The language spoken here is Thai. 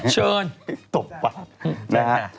เชิญตบปะ